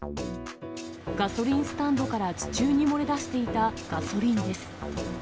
ガソリンスタンドから地中に漏れ出していたガソリンです。